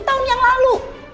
tujuh tahun yang lalu